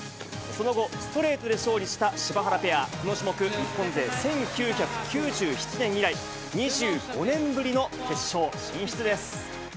その後、ストレートで勝利した柴原ペア、この種目日本勢１９９７年以来となる２５年ぶりの決勝進出です。